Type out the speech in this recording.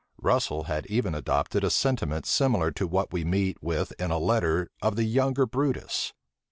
Russel had even adopted a sentiment similar to what we meet with in a letter of the younger Brutus.